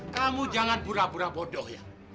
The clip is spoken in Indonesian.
kamu jangan bura